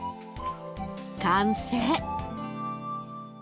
完成。